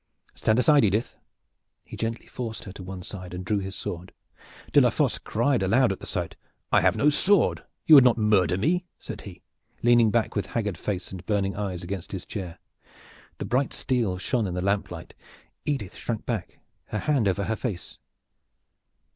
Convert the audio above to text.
Stand aside, Edith!" He gently forced her to one side and drew his sword. De la Fosse cried aloud at the sight. "I have no sword. You would not murder me?" said he, leaning back with haggard face and burning eyes against his chair. The bright steel shone in the lamp light. Edith shrank back, her hand over her face.